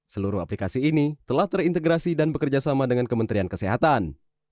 seluruh aplikasi ini telah terintegrasi dan bekerjasama dengan kementerian kesehatan